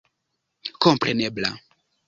komprenebla